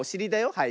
はい。